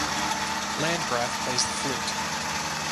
Landgraf plays the flute.